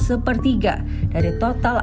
sepertiga dari total